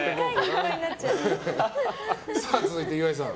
続いて岩井さん。